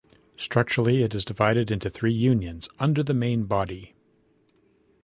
Structurally, it is divided into three unions under the main body.